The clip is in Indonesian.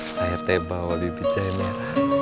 saya teh bawa bibit jahe merah